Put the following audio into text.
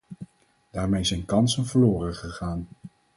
Daarmee zijn kansen verloren gegaan.